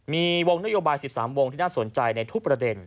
มีวงนโยบาย๑๓วงที่น่าสนใจในทุกประเด็น